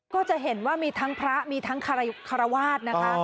ก็จะเห็นว่ามีทั้งพระมีทั้งคารวาสนะคะ